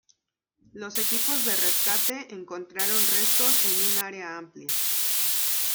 Los equipos de rescate encontraron restos en un área amplia.